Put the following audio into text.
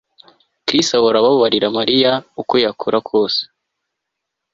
Chris ahora ababarira Mariya uko yakora kose